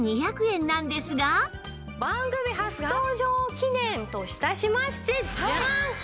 番組初登場記念と致しましてジャン！